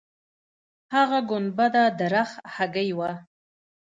هغه ګنبده د رخ هګۍ وه.